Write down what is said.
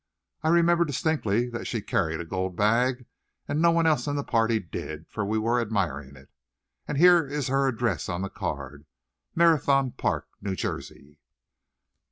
I remember distinctly that she carried a gold bag, and no one else in the party did, for we were admiring it. And here is her address on the card; Marathon Park, New Jersey."